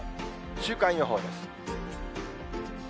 週間予報です。